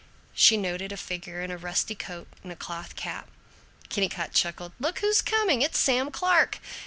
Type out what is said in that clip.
She noted a figure in a rusty coat and a cloth cap. Kennicott chuckled, "Look who's coming! It's Sam Clark!